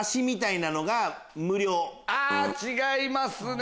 違いますね。